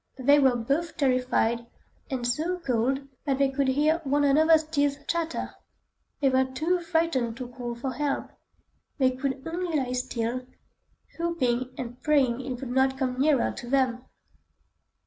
They were both terrified, and so cold that they could hear one another's teeth chatter. They were too frightened to call for help; they could only lie still, hoping and praying it would not come nearer to them.